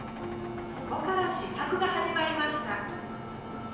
そこから試作が始まりました。